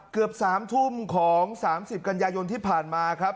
เกือบสามทุ่มของสามสิบกัญญาโยนที่ผ่านมาครับ